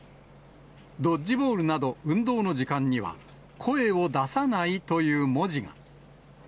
ドッジボールなど、運動の時間には、声を出さないという文字が。